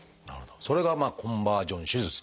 それがコンバージョン手術と。